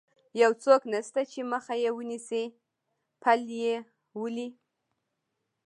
یو څوک نشته چې مخه یې ونیسي، پل یې ولې.